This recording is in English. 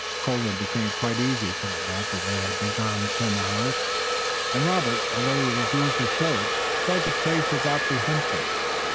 Colden became quite uneasy for them after they had been gone some hours, and Robert, although he refused to show it, felt a trace of apprehension.